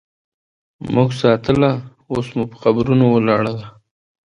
مونږ ساتله اوس مو په قبرو ولاړه ده